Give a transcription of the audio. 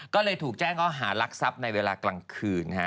ก็เลยถูกแจ้งเขาหารักทรัพย์ในเวลากลางคืน